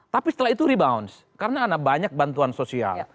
tapi setelah itu rebound karena ada banyak bantuan sosial